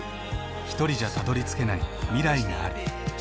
ひとりじゃたどりつけない未来がある。